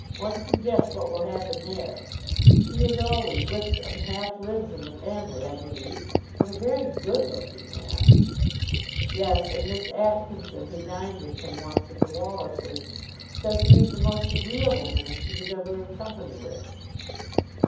One can guess what will happen there. He is always with them; half lives in the family, I believe. What a very good looking man!" "Yes, and Miss Atkinson, who dined with him once at the Wallises, says he is the most agreeable man she ever was in company with."